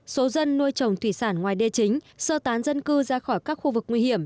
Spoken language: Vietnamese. số dân nuôi trồng thủy sản ngoài đê chính sơ tán dân cư ra khỏi các khu vực nguy hiểm